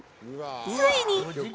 ついに。